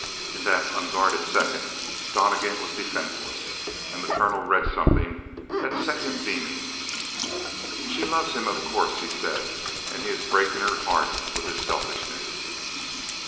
In that unguarded second Donnegan was defenseless and the colonel read something that set him beaming. "She loves him, of course," he said, "and he is breaking her heart with his selfishness."